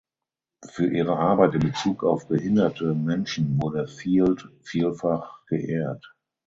Für ihre Arbeit in Bezug auf behinderte Menschen wurde Field vielfach geehrt.